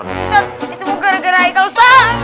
semua gara gara ikat ustaz